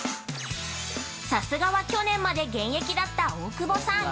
◆さすがは去年まで現役だった大久保さん。